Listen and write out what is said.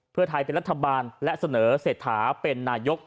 เพื่อไทยเป็นรัฐบาลและเสนอเศรษฐาเป็นนายก